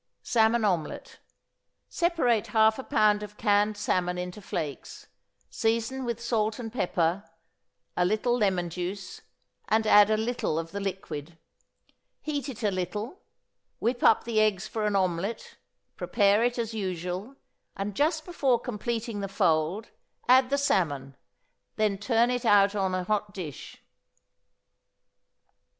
=Salmon Omelet.= Separate half a pound of canned salmon into flakes, season with salt and pepper, a little lemon juice, and add a little of the liquid; heat it a little, whip up the eggs for an omelet, prepare it as usual, and just before completing the fold add the salmon; then turn it out on a hot dish.